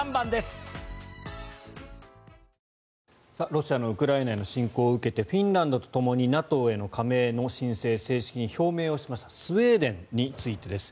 ロシアのウクライナへの侵攻を受けてフィンランドとともにＮＡＴＯへの加盟の申請を正式に表明しましたスウェーデンについてです。